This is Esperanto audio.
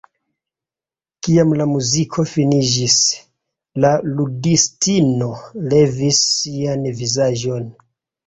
Kiam la muziko finiĝis, la ludistino levis sian vizaĝon.